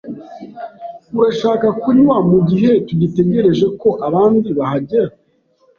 Urashaka kunywa mugihe tugitegereje ko abandi bahagera?